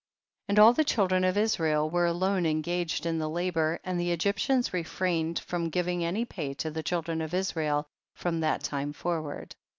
28. And all the children of Israel were alone engaged in the labor, and the Egyptians refrained from giving any pay to the children of Israel from that time forward.